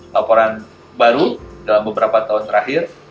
laporan baru dalam beberapa tahun terakhir